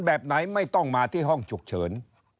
แบบไหนไม่ต้องมาที่ห้องฉุกเฉิน